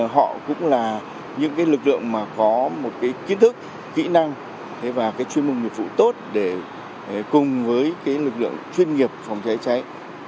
họ cũng là những lực lượng mà có một cái kiến thức kỹ năng và cái chuyên môn nghiệp vụ tốt để cùng với cái lực lượng chuyên nghiệp phòng cháy cháy